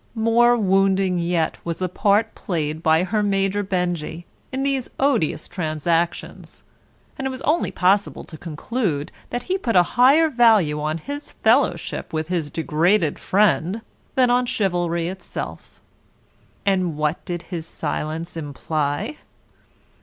More wounding yet was the part played by her Major Benjy in these odious transactions, and it was only possible to conclude that he put a higher value on his fellowship with his degraded friend than on chivalry itself. ... And what did his silence imply?